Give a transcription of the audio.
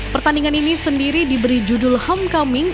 pertandingan ini sendiri diberi judul homecoming